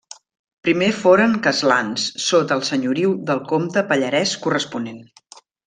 Primer foren castlans, sota el senyoriu del comte pallarès corresponent.